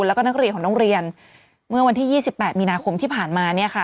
แล้วก็นักเรียนของโรงเรียนเมื่อวันที่๒๘มีนาคมที่ผ่านมาเนี่ยค่ะ